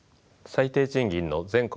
最低賃金の全国